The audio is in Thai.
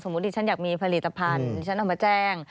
ดิฉันอยากมีผลิตภัณฑ์ดิฉันเอามาแจ้ง